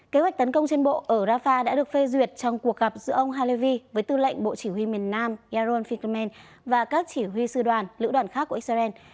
kế hoạch tấn công trên bộ ở rafah đã được phê duyệt trong cuộc gặp giữa ông halevi với tư lệnh bộ chỉ huy miền nam yaron fikuman và các chỉ huy sư đoàn lữ đoàn khác của israel